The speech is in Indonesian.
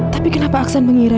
tapi kenapa aksan mengira